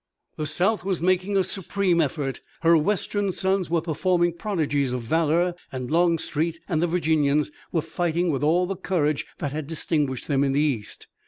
The South was making her supreme effort. Her western sons were performing prodigies of valor, and Longstreet and the Virginians were fighting with all the courage that had distinguished them in the East.